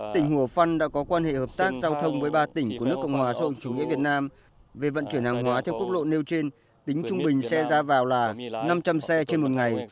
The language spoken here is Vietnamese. tỉnh hùa phân đã có quan hệ hợp tác giao thông với ba tỉnh của nước cộng hòa xã hội chủ nghĩa việt nam về vận chuyển hàng hóa theo quốc lộ nêu trên tính trung bình xe ra vào là năm trăm linh xe trên một ngày